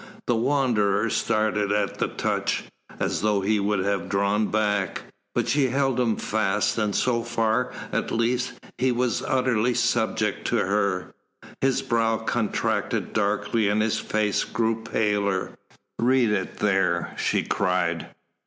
The Wanderer started at the touch, as though he would have drawn back. But she held him fast, and so far, at least, he was utterly subject to her. His brow contracted darkly, and his face grew paler. "Read it there," she cried.